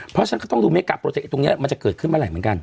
เพราะฉะนั้นก็ต้องดูเมกาโปรเคตรงนี้มันจะเกิดขึ้นเมื่อไหร่เหมือนกัน